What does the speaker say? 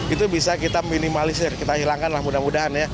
itu bisa kita minimalisir kita hilangkanlah mudah mudahan ya